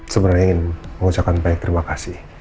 sebenarnya ingin mengucapkan baik terima kasih